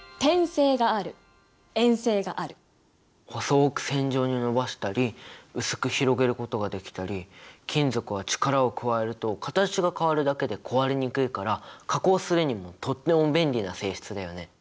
細く線状に延ばしたり薄く広げることができたり金属は力を加えると形が変わるだけで壊れにくいから加工するにもとっても便利な性質だよね。